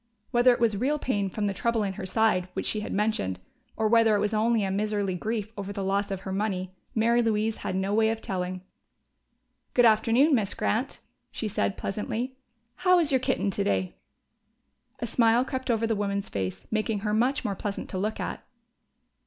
Whether it was real pain from that trouble in her side which she had mentioned, or whether it was only a miserly grief over the loss of her money, Mary Louise had no way of telling. "Good afternoon, Miss Grant," she said pleasantly. "How is your kitten today?" A smile crept over the woman's face, making her much more pleasant to look at.